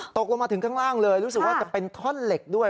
ตกลงมาถึงข้างล่างเลยรู้สึกว่าจะเป็นท่อนเหล็กด้วย